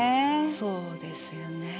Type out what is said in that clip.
そうですよね。